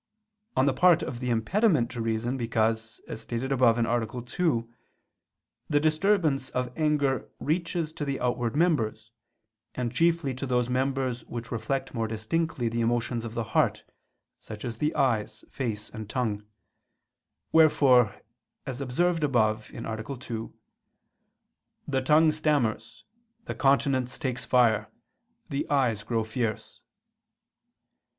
On the part of the impediment to reason because, as stated above (A. 2), the disturbance of anger reaches to the outward members, and chiefly to those members which reflect more distinctly the emotions of the heart, such as the eyes, face and tongue; wherefore, as observed above (A. 2), "the tongue stammers, the countenance takes fire, the eyes grow fierce."